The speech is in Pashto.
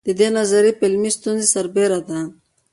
د دې نظریې پر علمي ستونزې سربېره ده.